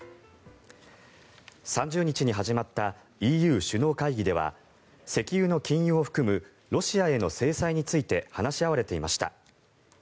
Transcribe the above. ３０日に始まったＥＵ首脳会議では石油の禁輸を含むロシアへの制裁について話し合われていました。